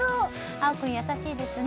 青君、優しいですね。